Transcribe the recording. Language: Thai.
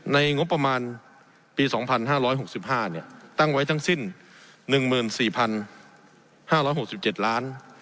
งบประมาณปี๒๕๖๕ตั้งไว้ทั้งสิ้น๑๔๕๖๗ล้าน